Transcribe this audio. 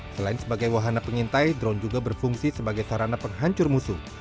selain sebagai wahana pengintai drone juga berfungsi sebagai sarana penghancur musuh